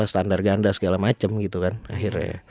fifa standar ganda segala macem gitu kan akhirnya